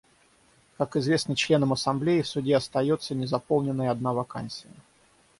Как известно членам Ассамблеи, в Суде остается незаполненной одна вакансия.